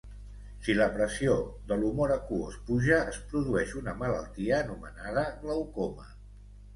Si la pressió de l'humor aquós puja, es produeix una malaltia anomenada glaucoma.